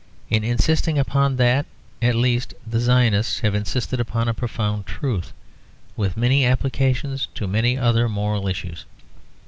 In insisting upon that at least the Zionists have insisted upon a profound truth, with many applications to many other moral issues.